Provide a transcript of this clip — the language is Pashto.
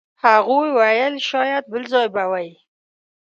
هغوی ویل شاید بل ځای به وئ.